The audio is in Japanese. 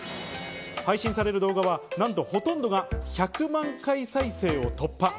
配信される動画はなんとほとんどが１００万回再生を突破。